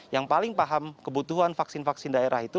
yang paling paham kebutuhan vaksin vaksin daerah itu